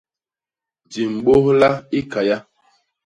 Di mbôhla i Kaya.